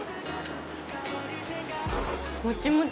もちもち！